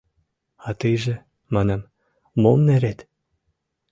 — А тыйже, — манам, — мом нерет?